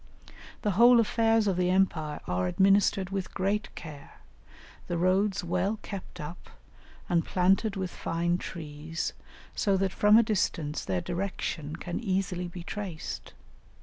The whole affairs of the empire are administered with great care, the roads well kept up and planted with fine trees, so that from a distance their direction can easily be traced.